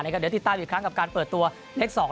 เดี๋ยวติดตามอีกครั้งกับการเปิดตัวเลข๒